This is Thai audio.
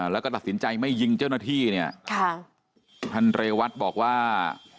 แล้วก็ตัดสินใจไม่ยิงเจ้าหน้าที่เนี่ยค่ะท่านเรวัตบอกว่า